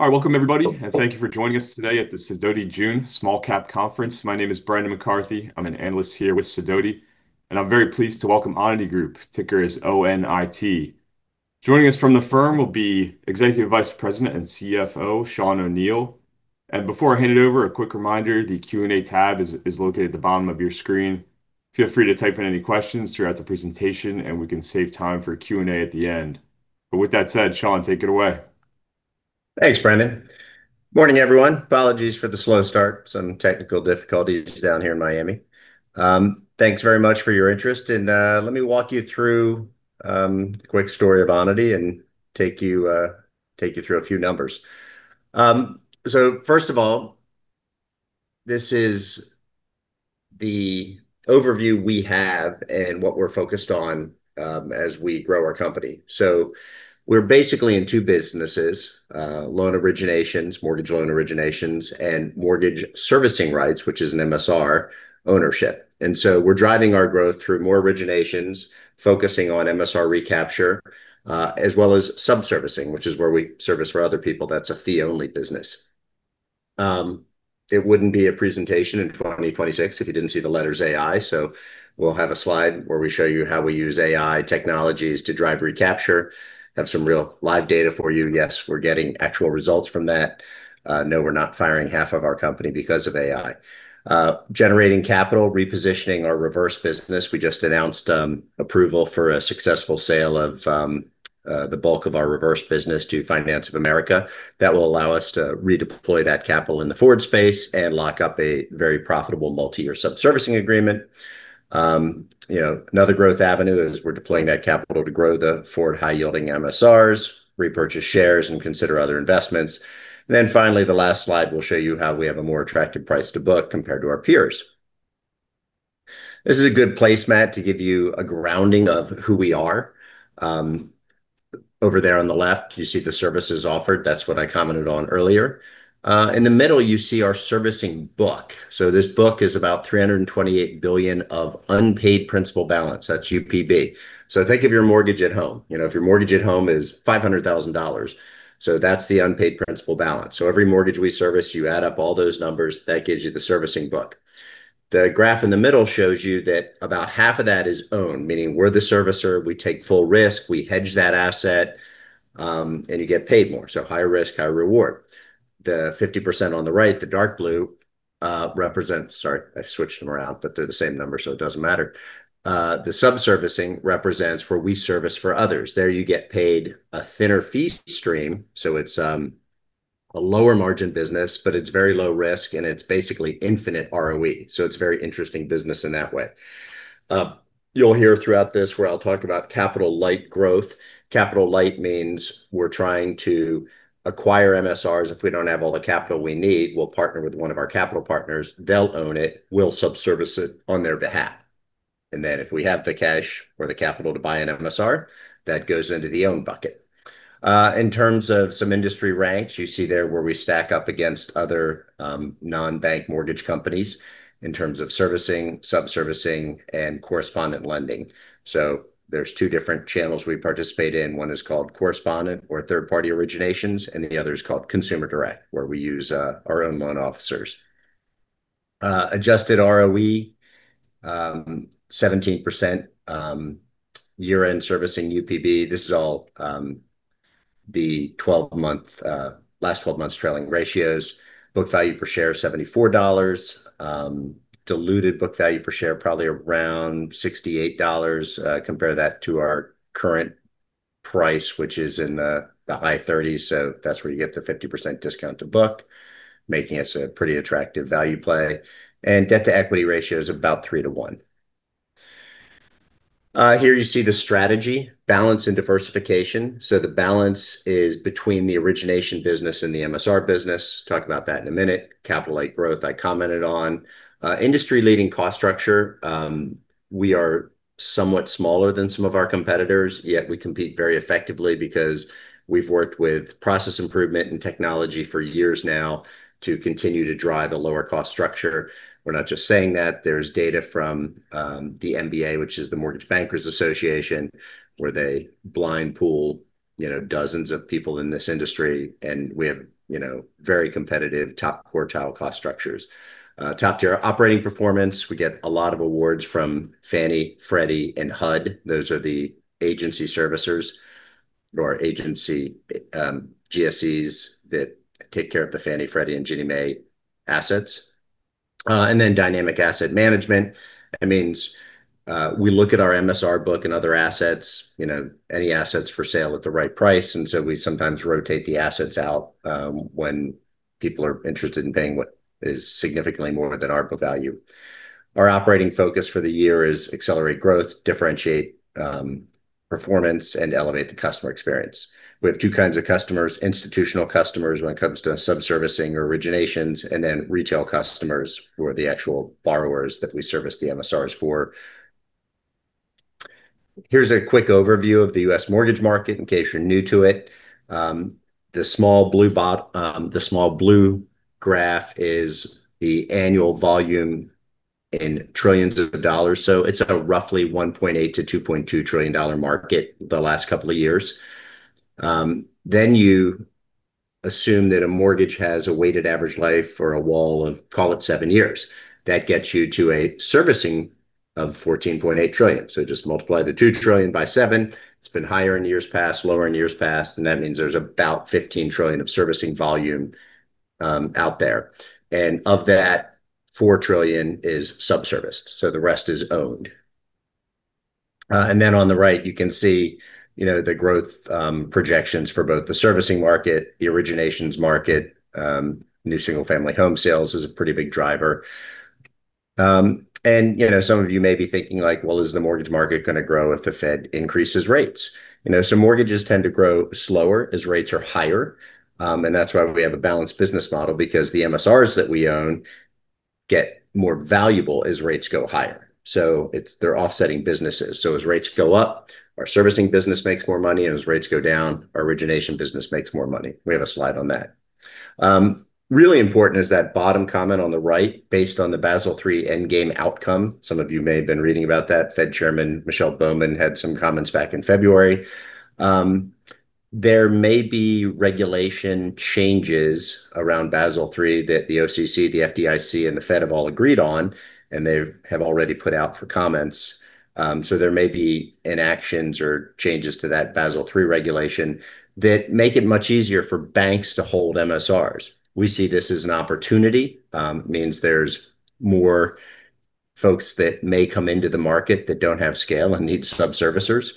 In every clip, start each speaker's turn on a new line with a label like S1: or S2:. S1: All right. Welcome, everybody, and thank you for joining us today at the Sidoti June Small-Cap Conference. My name is Brendan McCarthy. I'm an analyst here with Sidoti, and I'm very pleased to welcome Onity Group. Ticker is O-N-I-T. Joining us from the firm will be Executive Vice President and CFO, Sean O'Neil. Before I hand it over, a quick reminder, the Q&A tab is located at the bottom of your screen. Feel free to type in any questions throughout the presentation, and we can save time for Q&A at the end. With that said, Sean, take it away.
S2: Thanks, Brendan. Morning, everyone. Apologies for the slow start. Some technical difficulties down here in Miami. Thanks very much for your interest, and let me walk you through the quick story of Onity and take you through a few numbers. So first of all, this is the overview we have and what we're focused on, as we grow our company. We're basically in two businesses, loan originations, mortgage loan originations, and mortgage servicing rights, which is an MSR ownership. We're driving our growth through more originations, focusing on MSR recapture, as well as subservicing, which is where we service for other people. That's a fee-only business. It wouldn't be a presentation in 2026 if you didn't see the letters AI. We'll have a slide where we show you how we use AI technologies to drive recapture, have some real live data for you. Yes, we're getting actual results from that. No, we're not firing half of our company because of AI. Generating capital, repositioning our reverse business. We just announced, approval for a successful sale of the bulk of our reverse business to Finance of America. That will allow us to redeploy that capital in the forward space and lock up a very profitable multi-year subservicing agreement. Another growth avenue is we're deploying that capital to grow the forward high-yielding MSRs, repurchase shares, and consider other investments. Finally, the last slide will show you how we have a more attractive price to book compared to our peers. This is a good placemat to give you a grounding of who we are. Over there on the left, you see the services offered. That's what I commented on earlier. In the middle, you see our servicing book. This book is about $328 billion of unpaid principal balance. That's UPB. Think of your mortgage at home. If your mortgage at home is $500,000, so that's the unpaid principal balance. Every mortgage we service, you add up all those numbers, that gives you the servicing book. The graph in the middle shows you that about half of that is owned, meaning we're the servicer, we take full risk, we hedge that asset, and you get paid more. Higher risk, higher reward. The 50% on the right, the dark blue, represents. Sorry, I've switched them around, but they're the same number, so it doesn't matter. The subservicing represents where we service for others. There, you get paid a thinner fee stream, so it's a lower margin business, but it's very low risk and it's basically infinite ROE. It's very interesting business in that way. You'll hear throughout this where I'll talk about capital-light growth. Capital light means we're trying to acquire MSRs. If we don't have all the capital we need, we'll partner with one of our capital partners. They'll own it. We'll subservice it on their behalf. If we have the cash or the capital to buy an MSR, that goes into the owned bucket. In terms of some industry ranks, you see there where we stack up against other non-bank mortgage companies in terms of servicing, subservicing, and correspondent lending. There's two different channels we participate in. One is called correspondent or third-party originations, and the other is called consumer direct, where we use our own loan officers. Adjusted ROE, 17%. Year-end servicing UPB. This is all the last 12 months trailing ratios. Book value per share, $74. Diluted book value per share, probably around $68. Compare that to our current price, which is in the high 30s. That's where you get the 50% discount to book, making us a pretty attractive value play. Debt-to-equity ratio is about 3:1. Here you see the strategy, balance, and diversification. The balance is between the origination business and the MSR business. Talk about that in a minute. Capital-light growth, I commented on. Industry-leading cost structure. We are somewhat smaller than some of our competitors, yet we compete very effectively because we've worked with process improvement and technology for years now to continue to drive a lower cost structure. We're not just saying that. There's data from the MBA, which is the Mortgage Bankers Association, where they blind pool dozens of people in this industry, and we have very competitive top quartile cost structures. Top-tier operating performance. We get a lot of awards from Fannie, Freddie, and HUD. Those are the agency servicers or agency GSEs that take care of the Fannie, Freddie, and Ginnie Mae assets. Dynamic asset management. That means, we look at our MSR book and other assets, any assets for sale at the right price, we sometimes rotate the assets out, when people are interested in paying what is significantly more than our book value. Our operating focus for the year is accelerate growth, differentiate performance, and elevate the customer experience. We have two kinds of customers, institutional customers when it comes to subservicing or originations, and then retail customers who are the actual borrowers that we service the MSRs for. Here's a quick overview of the U.S. mortgage market in case you're new to it. The small blue graph is the annual volume in trillions of dollars. It's a roughly $1.8 trillion-$2.2 trillion market the last couple of years. You assume that a mortgage has a weighted average life for a wall of, call it, seven years. That gets you to a servicing of $14.8 trillion. Just multiply the $2 trillion by seven. It's been higher in years past, lower in years past, and that means there's about $15 trillion of servicing volume out there. Of that, $4 trillion is sub-serviced, so the rest is owned. On the right you can see the growth projections for both the servicing market, the originations market. New single-family home sales is a pretty big driver. Some of you may be thinking, "Well, is the mortgage market going to grow if the Fed increases rates?" Mortgages tend to grow slower as rates are higher, and that's why we have a balanced business model, because the MSRs that we own get more valuable as rates go higher. They're offsetting businesses. As rates go up, our servicing business makes more money, and as rates go down, our origination business makes more money. We have a slide on that. Really important is that bottom comment on the right based on the Basel III endgame outcome. Some of you may have been reading about that. Fed Chairman, Michelle Bowman had some comments back in February. There may be regulation changes around Basel III that the OCC, the FDIC, and the Fed have all agreed on, and they have already put out for comments. There may be inactions or changes to that Basel III regulation that make it much easier for banks to hold MSRs. We see this as an opportunity. It means there's more folks that may come into the market that don't have scale and need sub-servicers.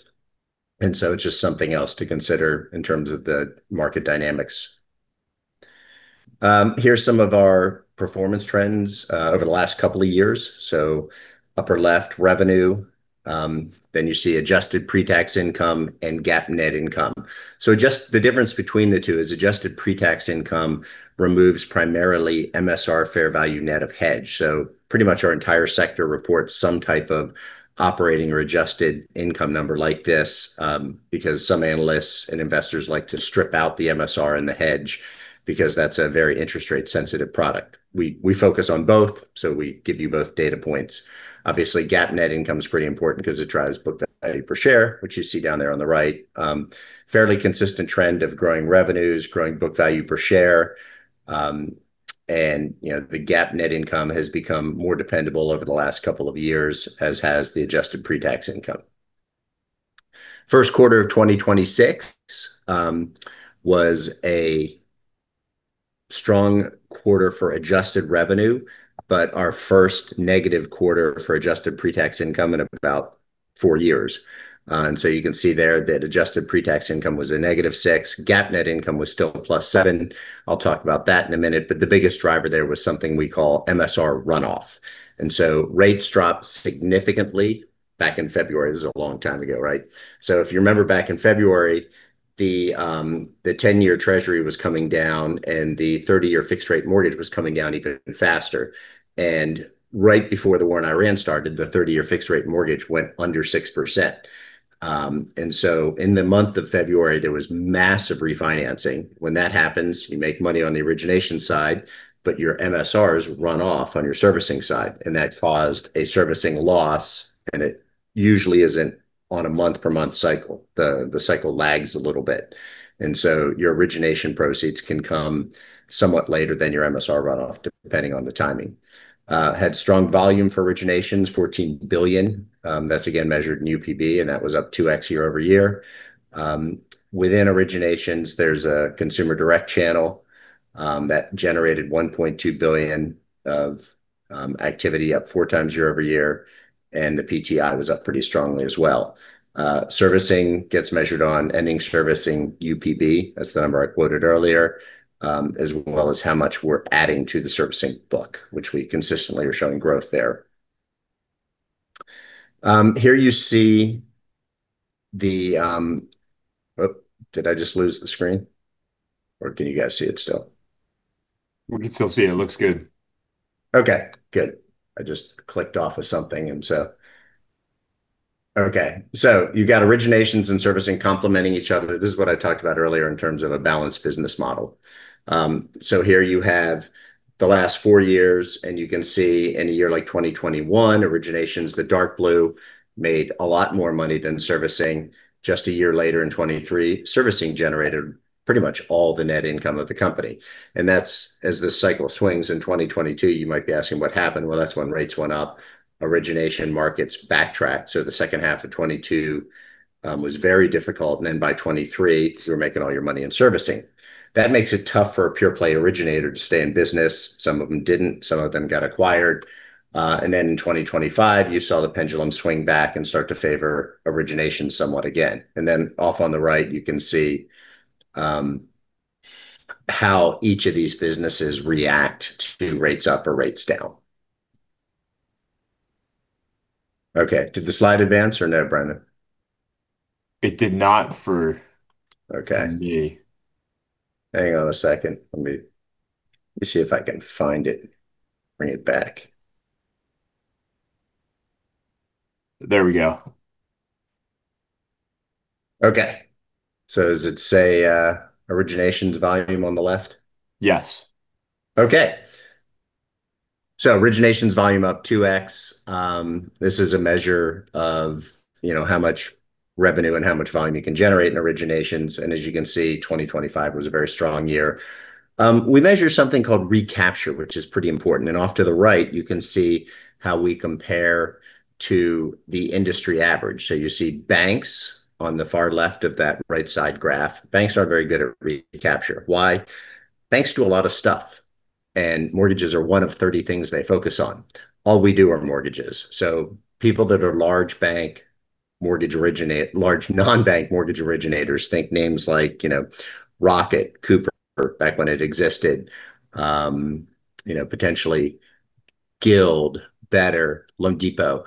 S2: It's just something else to consider in terms of the market dynamics. Here's some of our performance trends over the last couple of years. Upper left, revenue, then you see adjusted pre-tax income and GAAP net income. The difference between the two is adjusted pre-tax income removes primarily MSR fair value net of hedge. Pretty much our entire sector reports some type of operating or adjusted income number like this, because some analysts and investors like to strip out the MSR and the hedge because that's a very interest rate-sensitive product. We focus on both, so we give you both data points. Obviously, GAAP net income's pretty important because it drives book value per share, which you see down there on the right. Fairly consistent trend of growing revenues, growing book value per share. The GAAP net income has become more dependable over the last couple of years, as has the adjusted pre-tax income. First quarter of 2026 was a strong quarter for adjusted revenue, but our first negative quarter for adjusted pre-tax income in about four years. You can see there that adjusted pre-tax income was a -6. GAAP net income was still a +7. I'll talk about that in a minute. The biggest driver there was something we call MSR runoff. Rates dropped significantly back in February. This was a long time ago, right? If you remember back in February, the 10-year treasury was coming down, and the 30-year fixed rate mortgage was coming down even faster. Right before the war in Iran started, the 30-year fixed rate mortgage went under 6%. In the month of February, there was massive refinancing. When that happens, you make money on the origination side, but your MSRs run off on your servicing side, and that caused a servicing loss. It usually isn't on a month-per-month cycle. The cycle lags a little bit. Your origination proceeds can come somewhat later than your MSR runoff, depending on the timing. Had strong volume for originations, $14 billion. That's again measured in UPB, and that was up 2x year-over-year. Within originations, there's a consumer direct channel that generated $1.2 billion of activity, up four times year-over-year, and the PTI was up pretty strongly as well. Servicing gets measured on ending servicing UPB, that's the number I quoted earlier, as well as how much we're adding to the servicing book, which we consistently are showing growth there. Can you see the- did I just lose the screen, or can you guys see it still?
S1: We can still see it. It looks good.
S2: Okay, good. I just clicked off of something. You've got originations and servicing complementing each other. This is what I talked about earlier in terms of a balanced business model. Here you have the last four years, and you can see in a year like 2021, originations, the dark blue, made a lot more money than servicing. Just a year later in 2023, servicing generated pretty much all the net income of the company. That's as this cycle swings in 2022, you might be asking what happened. Well, that's when rates went up, origination markets backtracked. The second half of 2022 was very difficult, and then by 2023, you were making all your money in servicing. That makes it tough for a pure-play originator to stay in business. Some of them didn't, some of them got acquired. In 2025, you saw the pendulum swing back and start to favor origination somewhat again. Off on the right, you can see how each of these businesses react to rates up or rates down. Did the slide advance or no, Brendan?
S1: It did not.
S2: Okay
S1: me.
S2: Hang on a second. Let me see if I can find it, bring it back.
S1: There we go.
S2: Okay. Does it say originations volume on the left?
S1: Yes.
S2: Okay. Originations volume up 2x. This is a measure of how much revenue and how much volume you can generate in originations, and as you can see, 2025 was a very strong year. We measure something called recapture, which is pretty important. Off to the right, you can see how we compare to the industry average. You see banks on the far left of that right-side graph. Banks aren't very good at recapture. Why? Banks do a lot of stuff, and mortgages are one of 30 things they focus on. All we do are mortgages. People that are large non-bank mortgage originators, think names like Rocket, Cooper back when it existed. Potentially Guild Mortgage, Better Mortgage, LoanDepot.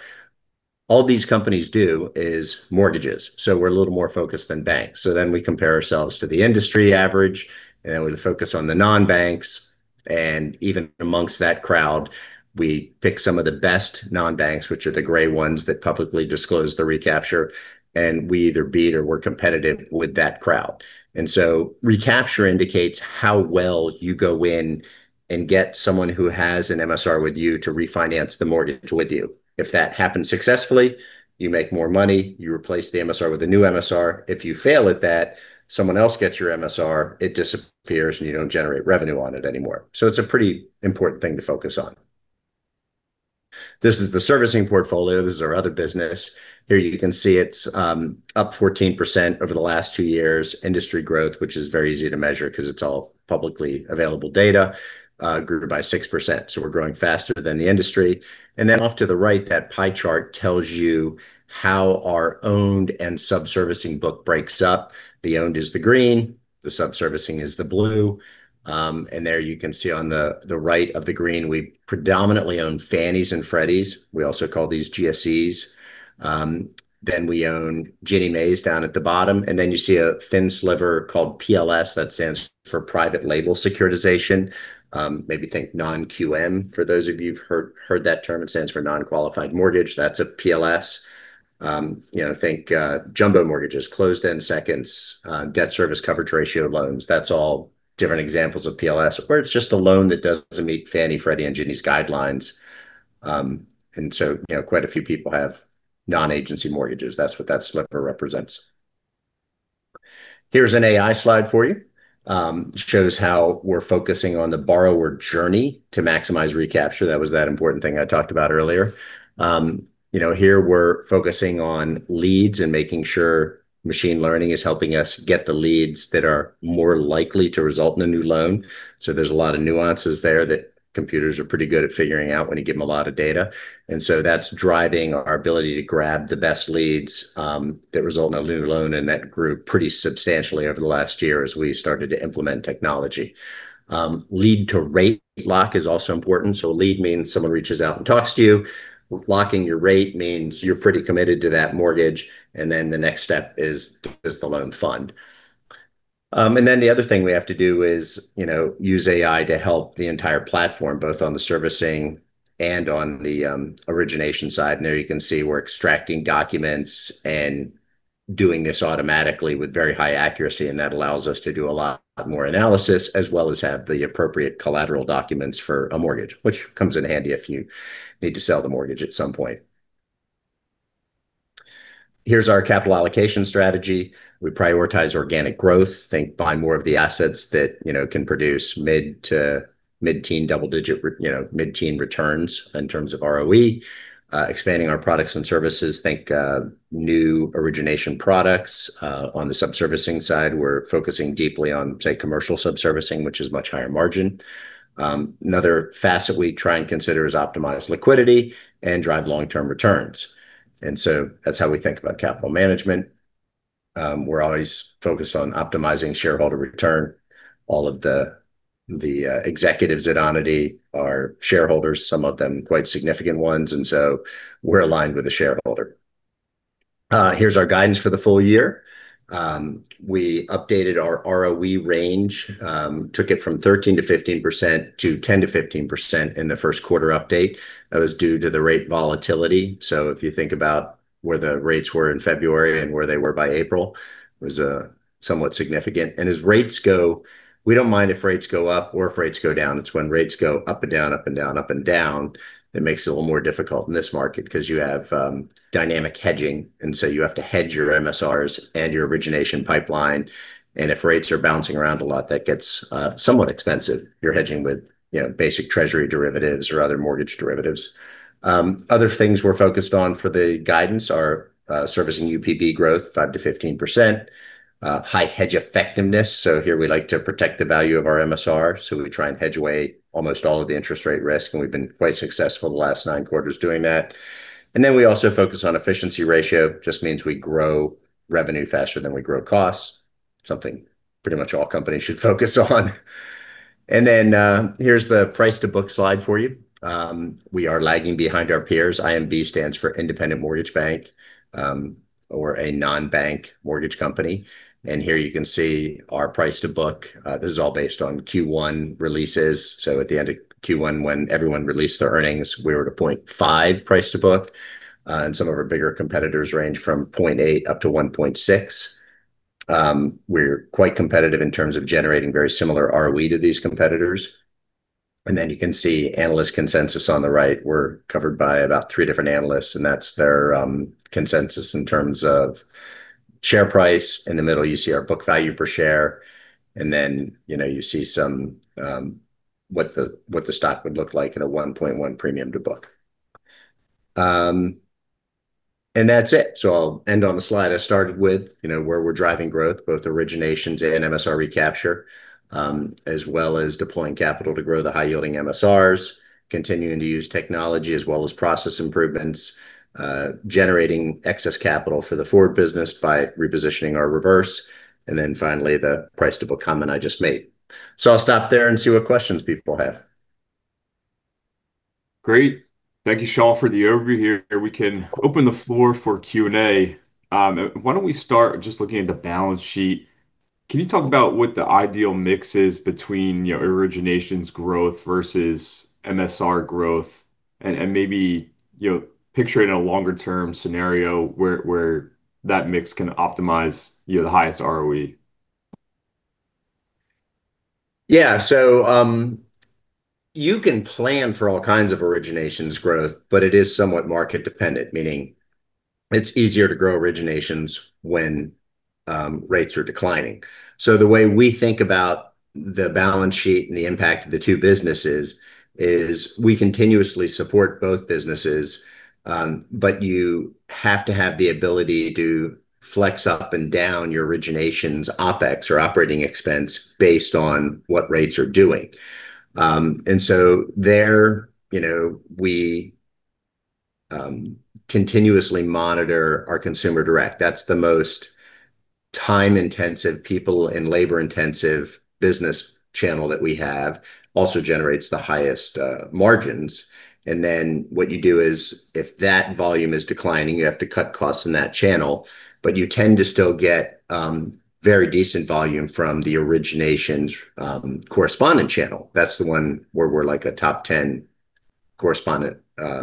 S2: All these companies do is mortgages. We're a little more focused than banks. We compare ourselves to the industry average, and we focus on the non-banks, and even amongst that crowd, we pick some of the best non-banks, which are the gray ones that publicly disclose the recapture. We either beat or we're competitive with that crowd. Recapture indicates how well you go in and get someone who has an MSR with you to refinance the mortgage with you. If that happens successfully, you make more money, you replace the MSR with a new MSR. If you fail at that, someone else gets your MSR, it disappears, and you don't generate revenue on it anymore. It's a pretty important thing to focus on. This is the servicing portfolio. This is our other business. Here you can see it's up 14% over the last two years. Industry growth, which is very easy to measure because it's all publicly available data, grew by 6%. We're growing faster than the industry. Off to the right, that pie chart tells you how our owned and subservicing book breaks up. The owned is the green, the subservicing is the blue. There you can see on the right of the green, we predominantly own Fannie and Freddie. We also call these GSEs. We own Ginnie Mae's down at the bottom, and you see a thin sliver called PLS. That stands for private label securitization. Maybe think non-QM. For those of you who've heard that term, it stands for non-qualified mortgage. That's a PLS. Think jumbo mortgages, closed-end seconds, debt service coverage ratio loans. That's all different examples of PLS. It's just a loan that doesn't meet Fannie, Freddie, and Ginnie guidelines. Quite a few people have non-agency mortgages. That's what that sliver represents. Here's an AI slide for you. It shows how we're focusing on the borrower journey to maximize recapture. That was that important thing I talked about earlier. Here we're focusing on leads and making sure machine learning is helping us get the leads that are more likely to result in a new loan. There's a lot of nuances there that computers are pretty good at figuring out when you give them a lot of data. That's driving our ability to grab the best leads that result in a new loan, and that grew pretty substantially over the last year as we started to implement technology. Lead to rate lock is also important. A lead means someone reaches out and talks to you. Locking your rate means you're pretty committed to that mortgage. The next step is, does the loan fund? The other thing we have to do is use AI to help the entire platform, both on the servicing and on the origination side. There you can see we're extracting documents and doing this automatically with very high accuracy, that allows us to do a lot more analysis as well as have the appropriate collateral documents for a mortgage, which comes in handy if you need to sell the mortgage at some point. Here's our capital allocation strategy. We prioritize organic growth. Think buying more of the assets that can produce mid-teen returns in terms of ROE. Expanding our products and services. Think new origination products. On the subservicing side, we're focusing deeply on, say, commercial subservicing, which is much higher margin. Another facet we try and consider is optimize liquidity and drive long-term returns. That's how we think about capital management. We're always focused on optimizing shareholder return. All of the executives at Onity are shareholders, some of them quite significant ones, so we're aligned with the shareholder. Here's our guidance for the full year. We updated our ROE range. Took it from 13% to 15% to 10% to 15% in the first quarter update. That was due to the rate volatility. If you think about where the rates were in February and where they were by April, was somewhat significant. We don't mind if rates go up or if rates go down. It's when rates go up and down, up and down, up and down, that makes it a little more difficult in this market because you have dynamic hedging, you have to hedge your MSRs and your origination pipeline. If rates are bouncing around a lot, that gets somewhat expensive. You're hedging with basic treasury derivatives or other mortgage derivatives. Other things we're focused on for the guidance are servicing UPB growth 5% to 15%. High hedge effectiveness. Here we like to protect the value of our MSR, we try and hedge away almost all of the interest rate risk. We've been quite successful the last nine quarters doing that. We also focus on efficiency ratio. Just means we grow revenue faster than we grow costs. Something pretty much all companies should focus on. Here's the price to book slide for you. We are lagging behind our peers. IMB stands for Independent Mortgage Bank. We're a non-bank mortgage company. Here you can see our price to book. This is all based on Q1 releases. At the end of Q1 when everyone released their earnings, we were at a 0.5 price to book. Some of our bigger competitors range from 0.8 up to 1.6. We're quite competitive in terms of generating very similar ROE to these competitors. You can see analyst consensus on the right. We're covered by about three different analysts, that's their consensus in terms of share price. In the middle, you see our book value per share. You see what the stock would look like at a 1.1 premium to book. That's it. I'll end on the slide I started with, where we're driving growth, both originations and MSR recapture, as well as deploying capital to grow the high-yielding MSRs, continuing to use technology as well as process improvements, generating excess capital for the forward business by repositioning our reverse, and then finally, the price-to-book comment I just made. I'll stop there and see what questions people have.
S1: Great. Thank you, Sean, for the overview here. We can open the floor for Q&A. Why don't we start just looking at the balance sheet? Can you talk about what the ideal mix is between your originations growth versus MSR growth and, maybe, picturing a longer-term scenario where that mix can optimize the highest ROE?
S2: Yeah. You can plan for all kinds of originations growth, but it is somewhat market-dependent, meaning it's easier to grow originations when rates are declining. The way we think about the balance sheet and the impact of the two businesses is we continuously support both businesses, but you have to have the ability to flex up and down your originations OPEX or operating expense based on what rates are doing. And so there, we continuously monitor our consumer direct. That's the most time-intensive people and labor-intensive business channel that we have. Also generates the highest margins. What you do is if that volume is declining, you have to cut costs in that channel, but you tend to still get very decent volume from the originations correspondent channel. That's the one where we're like a top 10 correspondent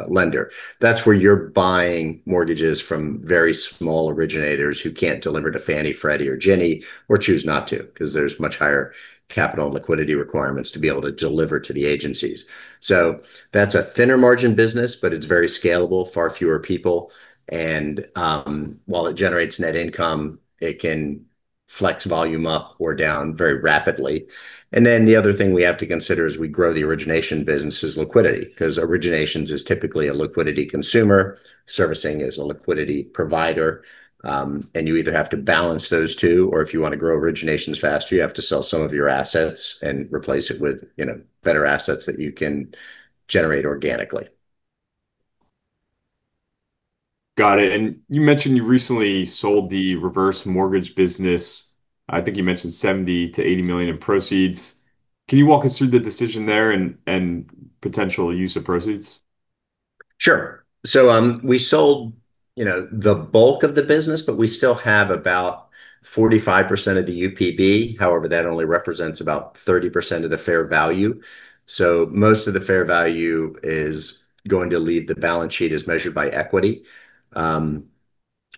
S2: lender. That's where you're buying mortgages from very small originators who can't deliver to Fannie, Freddie, or Ginnie, or choose not to because there's much higher capital and liquidity requirements to be able to deliver to the agencies. That's a thinner margin business, but it's very scalable, far fewer people. While it generates net income, it can flex volume up or down very rapidly. The other thing we have to consider as we grow the origination business is liquidity, because originations is typically a liquidity consumer. Servicing is a liquidity provider. You either have to balance those two or if you want to grow originations faster, you have to sell some of your assets and replace it with better assets that you can generate organically.
S1: Got it. You mentioned you recently sold the reverse mortgage business. I think you mentioned $70 million to $80 million in proceeds. Can you walk us through the decision there and potential use of proceeds?
S2: Sure. We sold the bulk of the business, but we still have about 45% of the UPB. However, that only represents about 30% of the fair value. Most of the fair value is going to leave the balance sheet as measured by equity,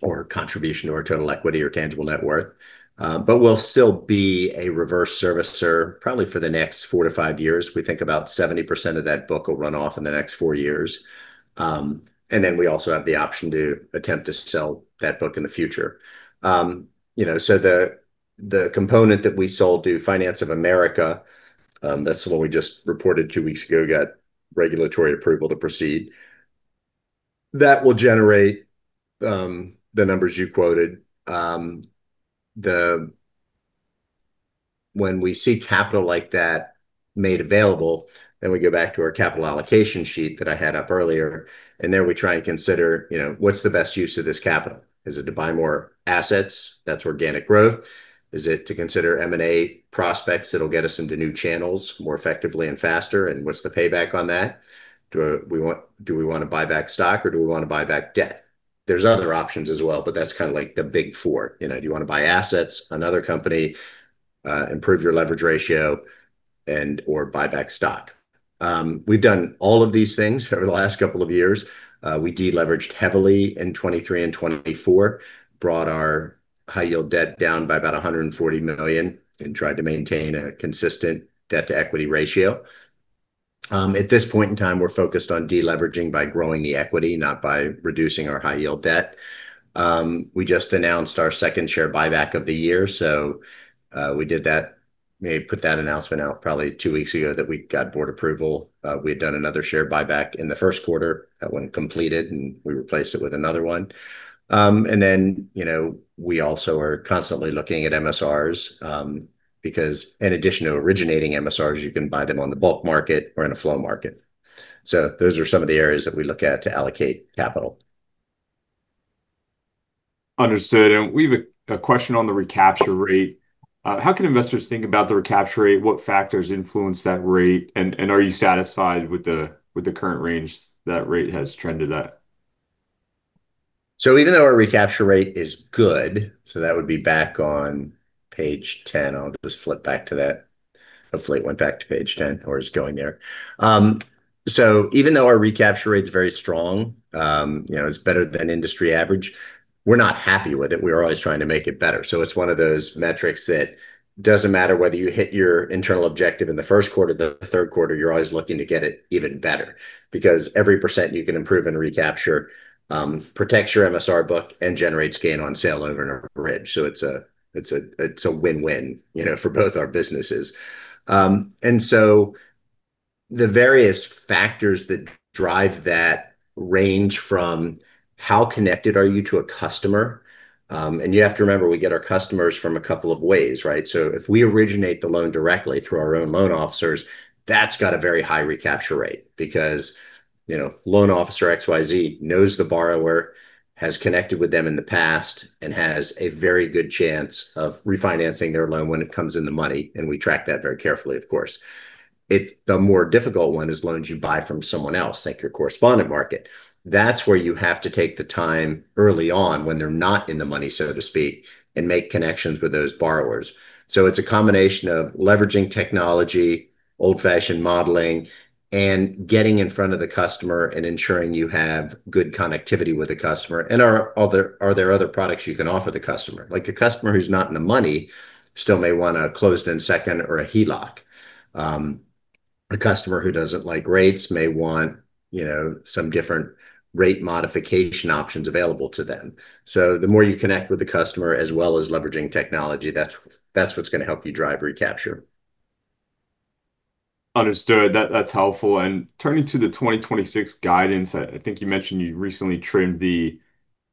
S2: or contribution to our total equity or tangible net worth. We'll still be a reverse servicer probably for the next four to five years. We think about 70% of that book will run off in the next four years. We also have the option to attempt to sell that book in the future. The component that we sold to Finance of America, that's the one we just reported two weeks ago, got regulatory approval to proceed. That will generate the numbers you quoted. When we see capital like that made available, we go back to our capital allocation sheet that I had up earlier, there we try and consider, what's the best use of this capital? Is it to buy more assets? That's organic growth. Is it to consider M&A prospects that'll get us into new channels more effectively and faster, what's the payback on that? Do we want to buy back stock or do we want to buy back debt? There's other options as well, that's kind of like the big four. Do you want to buy assets, another company, improve your leverage ratio, and/or buy back stock? We've done all of these things over the last couple of years. We de-leveraged heavily in 2023 and 2024, brought our high-yield debt down by about $140 million and tried to maintain a consistent debt-to-equity ratio. At this point in time, we're focused on de-leveraging by growing the equity, not by reducing our high-yield debt. We just announced our second share buyback of the year, we did that. Maybe put that announcement out probably two weeks ago that we got board approval. We had done another share buyback in the first quarter. That one completed, we replaced it with another one. We also are constantly looking at MSRs, because in addition to originating MSRs, you can buy them on the bulk market or in a flow market. Those are some of the areas that we look at to allocate capital.
S1: Understood. We have a question on the recapture rate. How can investors think about the recapture rate? What factors influence that rate? Are you satisfied with the current range that rate has trended at?
S2: Even though our recapture rate is good, that would be back on Page 10. I'll just flip back to that. Hopefully it went back to Page 10 or is going there. Even though our recapture rate's very strong, it's better than industry average, we're not happy with it. We're always trying to make it better. It's one of those metrics that doesn't matter whether you hit your internal objective in the first quarter, the third quarter, you're always looking to get it even better because every percent you can improve and recapture, protects your MSR book and generates gain on sale overnight. It's a win-win for both our businesses. The various factors that drive that range from how connected are you to a customer? You have to remember, we get our customers from a couple of ways, right? If we originate the loan directly through our own loan officers, that's got a very high recapture rate because loan officer XYZ knows the borrower, has connected with them in the past, and has a very good chance of refinancing their loan when it comes in the money, and we track that very carefully, of course. The more difficult one is loans you buy from someone else, like your correspondent market. That's where you have to take the time early on when they're not in the money, so to speak, and make connections with those borrowers. It's a combination of leveraging technology, old-fashioned modelling, and getting in front of the customer and ensuring you have good connectivity with the customer. Are there other products you can offer the customer? Like a customer who's not in the money still may want a closed-end second or a HELOC. A customer who doesn't like rates may want some different rate modification options available to them. The more you connect with the customer, as well as leveraging technology, that's what's going to help you drive recapture.
S1: Understood. That's helpful. Turning to the 2026 guidance, I think you mentioned you recently trimmed the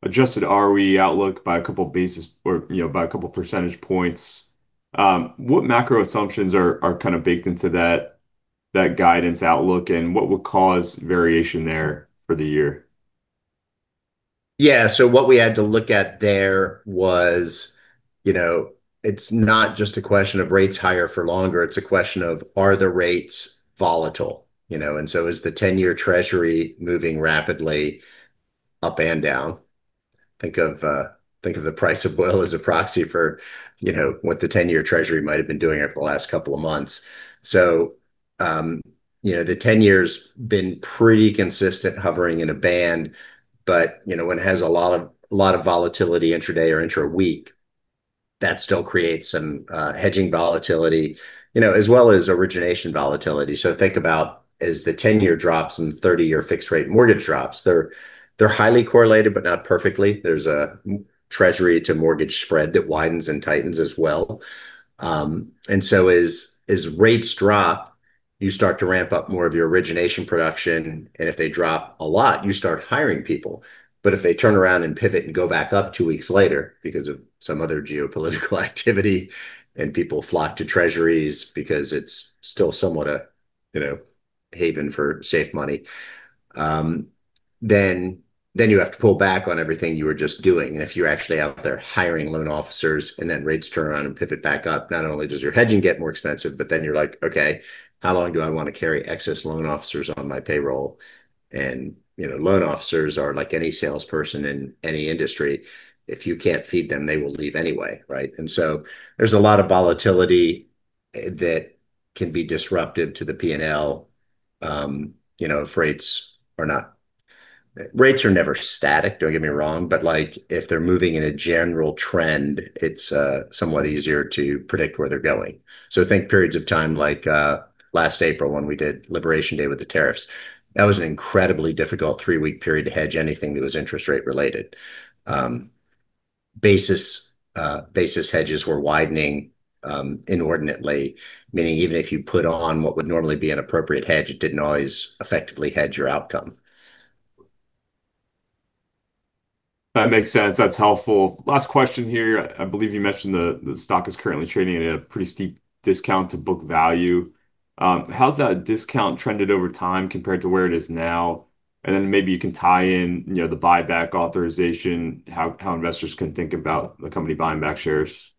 S1: adjusted ROE outlook by a couple percentage points. What macro assumptions are kind of baked into that guidance outlook, and what would cause variation there for the year?
S2: Yeah. What we had to look at there was it's not just a question of rates higher for longer, it's a question of are the rates volatile? Is the 10-year Treasury moving rapidly up and down? Think of the price of oil as a proxy for what the 10-year Treasury might have been doing over the last couple of months. The 10-year's been pretty consistent, hovering in a band, but when it has a lot of volatility intraday or intra-week, that still creates some hedging volatility, as well as origination volatility. Think about as the 10-year drops and the 30-year fixed rate mortgage drops, they're highly correlated, but not perfectly. There's a Treasury-to-mortgage spread that widens and tightens as well. As rates drop, you start to ramp up more of your origination production, and if they drop a lot, you start hiring people. If they turn around and pivot and go back up two weeks later because of some other geopolitical activity and people flock to Treasuries because it's still somewhat a haven for safe money, then you have to pull back on everything you were just doing. If you're actually out there hiring loan officers, then rates turn around and pivot back up, not only does your hedging get more expensive, but then you're like, "Okay, how long do I want to carry excess loan officers on my payroll?" Loan officers are like any salesperson in any industry. If you can't feed them, they will leave anyway, right? There's a lot of volatility that can be disruptive to the P&L. Rates are never static, don't get me wrong, but if they're moving in a general trend, it's somewhat easier to predict where they're going. Think periods of time like last April when we did Liberation Day with the tariffs. That was an incredibly difficult three-week period to hedge anything that was interest rate related. Basis hedges were widening inordinately, meaning even if you put on what would normally be an appropriate hedge, it didn't always effectively hedge your outcome.
S1: That makes sense. That's helpful. Last question here. I believe you mentioned the stock is currently trading at a pretty steep discount to book value. How's that discount trended over time compared to where it is now? Maybe you can tie in the buyback authorization, how investors can think about the company buying back shares.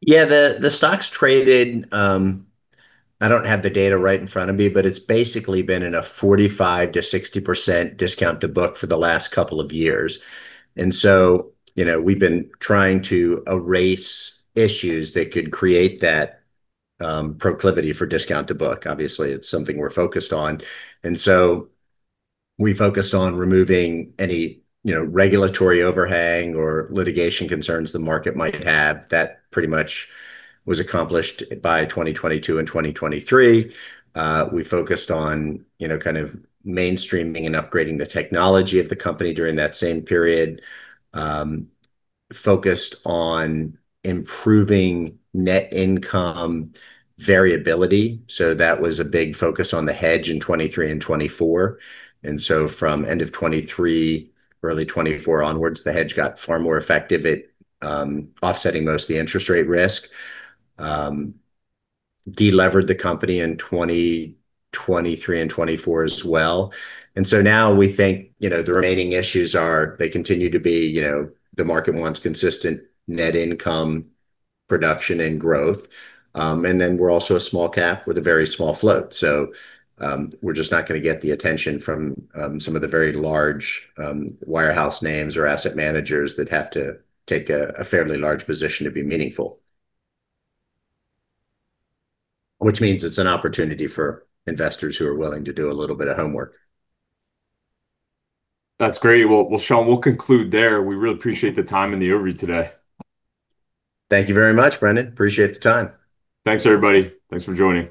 S2: Yeah. The stock's traded, I don't have the data right in front of me, but it's basically been in a 45% to 60% discount to book for the last couple of years. We've been trying to erase issues that could create that proclivity for discount to book. Obviously, it's something we're focused on. We focused on removing any regulatory overhang or litigation concerns the market might have. That pretty much was accomplished by 2022 and 2023. We focused on kind of mainstreaming and upgrading the technology of the company during that same period. Focused on improving net income variability. That was a big focus on the hedge in 2023 and 2024. From end of 2023, early 2024 onwards, the hedge got far more effective at offsetting most of the interest rate risk. Delevered the company in 2023 and 2024 as well. Now we think the remaining issues are they continue to be the market wants consistent net income production and growth. We're also a small cap with a very small float. We're just not going to get the attention from some of the very large wire house names or asset managers that have to take a fairly large position to be meaningful. Which means it's an opportunity for investors who are willing to do a little bit of homework.
S1: That's great. Sean, we'll conclude there. We really appreciate the time and the overview today.
S2: Thank you very much, Brendan. Appreciate the time.
S1: Thanks, everybody. Thanks for joining.